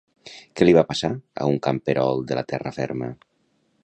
Què li va passar a un camperol de la Terra Ferma?